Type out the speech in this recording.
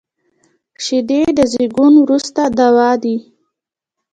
شیدې د زیږون وروسته دوا دي